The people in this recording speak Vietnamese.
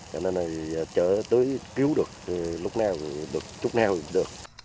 cho nên là chở tới cứu được lúc nào được chút nào được